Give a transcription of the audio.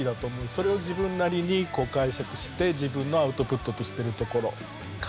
それを自分なりに解釈して自分のアウトプットとしてるところかな。